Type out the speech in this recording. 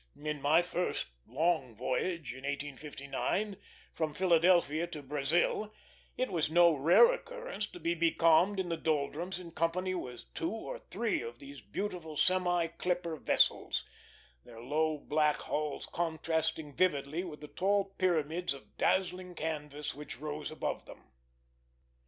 In my first long voyage, in 1859, from Philadelphia to Brazil, it was no rare occurrence to be becalmed in the doldrums in company with two or three of these beautiful semi clipper vessels, their low black hulls contrasting vividly with the tall pyramids of dazzling canvas which rose above them.